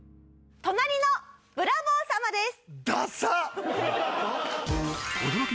『隣のブラボー様』です！